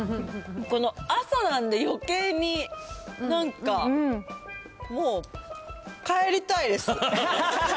この朝なんで、よけいになんか、もう、帰りたいです。